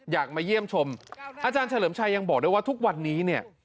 มาเยี่ยมชมอาจารย์เฉลิมชัยยังบอกด้วยว่าทุกวันนี้เนี่ย